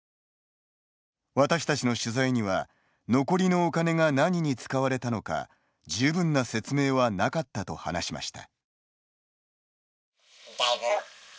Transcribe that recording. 私たちの取材には残りのお金が何に使われたのか十分な説明はなかったと話しました。